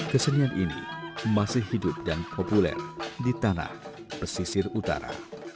kesenian ini masih hidup dan populer di tanah pesisir utara